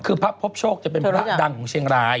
คือพระพบโชคจะเป็นพระดังของเชียงราย